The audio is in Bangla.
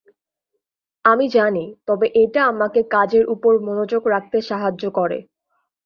আমি জানি, তবে এটা আমাকে কাজের উপর মনোযোগ রাখতে সাহায্য করে।